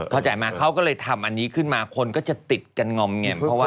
เข้าใจไหมเขาก็เลยทำอันนี้ขึ้นมาคนก็จะติดกันงอมแงมเพราะว่า